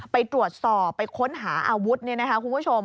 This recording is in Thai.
ไปตรวจสอบไปค้นหาอาวุธเนี่ยนะคะคุณผู้ชม